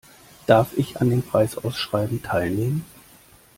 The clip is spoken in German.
Darf ich an dem Preisausschreiben teilnehmen?